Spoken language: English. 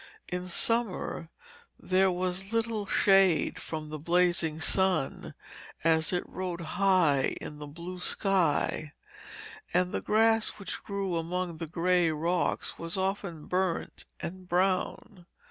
In summer there was little shade from the blazing sun as it rode high in the blue sky, and the grass which grew among the grey rocks was often burnt and brown.